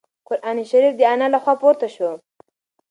قرانشریف د انا له خوا پورته شو.